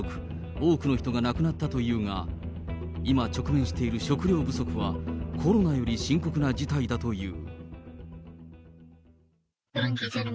多くの人が亡くなったというが、今直面している食糧不足はコロナより深刻な事態だという。